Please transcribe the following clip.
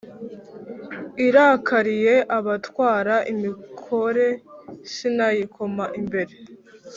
irakariye abatwara imikore sinayikoma imbere